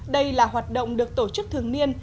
đây là hoạt động được tổ chức thường niên